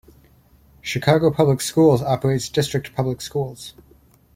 Chicago Public Schools operates district public schools.